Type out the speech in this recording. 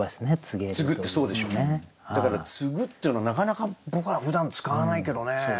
だから「告ぐ」っていうのなかなか僕らふだん使わないけどね。